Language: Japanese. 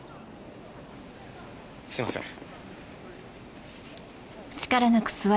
すいません。